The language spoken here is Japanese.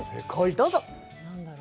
どうぞ！